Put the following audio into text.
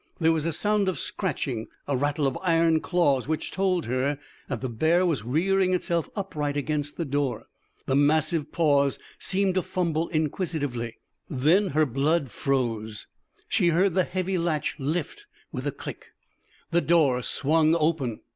There was a sound of scratching, a rattle of iron claws, which told her that the beast was rearing itself upright against the door. The massive paws seemed to fumble inquisitively. Then her blood froze. She heard the heavy latch lift with a click. The door swung open.